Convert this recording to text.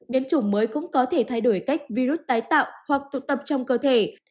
biến chủng mới cũng có thể thay đổi cách virus tái tạo hoặc tụ tập trong cơ thể